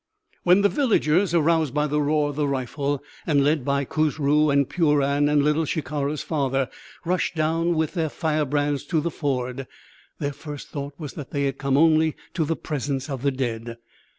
When the villagers, aroused by the roar of the rifle and led by Khusru and Puran and Little Shikara's father, rushed down with their firebrands to the ford, their first thought was that they had come only to the presence of the dead.